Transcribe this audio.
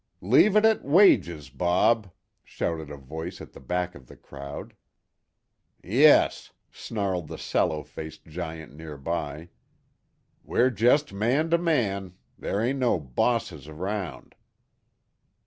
"Leave it at 'wages,' Bob!" shouted a voice at the back of the crowd. "Yes," snarled the sallow faced giant near by. "We're jest man to man. Ther' ain't no 'bosses' around."